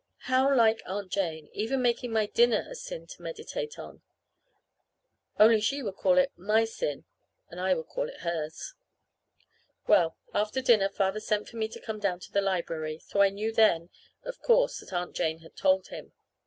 How like Aunt Jane making even my dinner a sin to meditate on! Only she would call it my sin, and I would call it hers. Well, after dinner Father sent for me to come down to the library. So I knew then, of course, that Aunt Jane had told him.